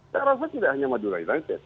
saya rasa tidak hanya madura united